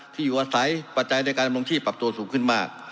ที่อยู่อาศัยประจายด้วยการทำลงที่ปรับตัวสูงขึ้นมาก